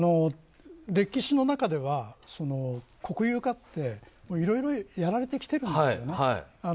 歴史の中では国有化っていろいろやられてきてるんです。